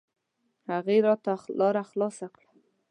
هغې راته لاره خلاصه کړه.